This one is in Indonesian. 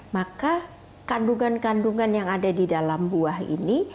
maka kandungan kandungan yang ada di dalam buah ini